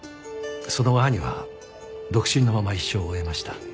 その兄は独身のまま一生を終えました。